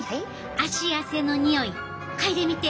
足汗のにおい嗅いでみて！